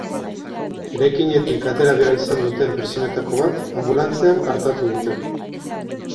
Eraikinetik atera behar izan duten pertsonetako bat anbulantzian artatu dute.